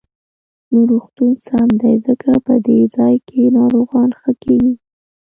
نو روغتون سم دی، ځکه په دې ځاى کې ناروغان ښه کېږي.